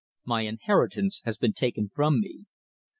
My inheritance has been taken from me."